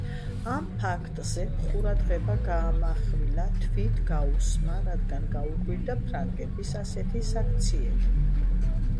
ამ ფაქტზე ყურადღება გაამახვილა თვით გაუსმა, რადგან გაუკვირდა ფრანგების ასეთი საქციელი.